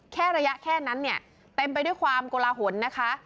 แค่ระยะแค่นั้นเต็มไปด้วยความกล่าหละหนนะคะ